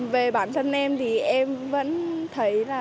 về bản thân em thì em vẫn thấy là